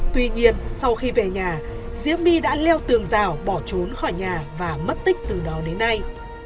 tuy nhiên sau khi về nhà diễm my đã leo tường rào bỏ trốn khỏi nhà và mất tích từ đó đến nay